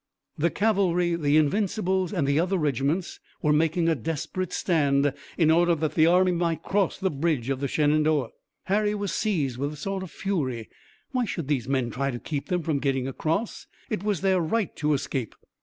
The cavalry, the Invincibles and the other regiments were making a desperate stand in order that the army might cross the bridge of the Shenandoah. Harry was seized with a sort of fury. Why should these men try to keep them from getting across? It was their right to escape.